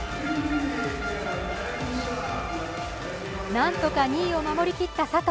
何とか２位を守りきった佐藤。